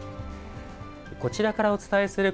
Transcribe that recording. こちらからお伝えする